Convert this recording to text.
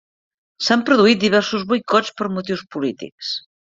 S'han produït diversos boicots per motius polítics.